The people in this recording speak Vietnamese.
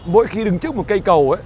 mỗi khi đứng trước một cây cầu